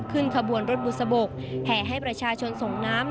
ขบวนรถบุษบกแห่ให้ประชาชนส่งน้ำ